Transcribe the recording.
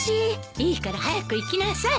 いいから早く行きなさい。